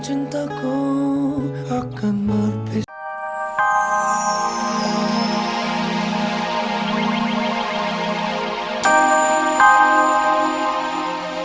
aida itu benar benar putriku